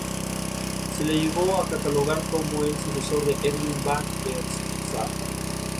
Más tarde fue juez, camarista y comisionado nacional a Santiago del Estero.